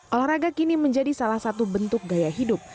olahraga kini menjadi salah satu bentuk gaya hidup